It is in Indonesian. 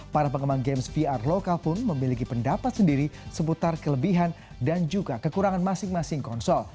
para pengembang games vr lokal pun memiliki pendapat sendiri seputar kelebihan dan juga kekurangan masing masing konsol